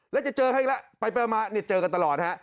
แล้วจะเจอเขาอีกแล้วไปมาเจอกันตลอดฮะ